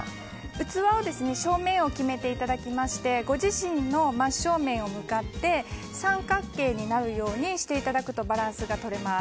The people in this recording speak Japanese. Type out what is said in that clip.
器の正面を決めていただきましてご自身の真正面に向かって三角形にしていただくようにするとバランスが取れます。